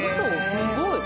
すごい！